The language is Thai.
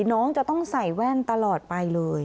น้องจะต้องใส่แว่นตลอดไปเลย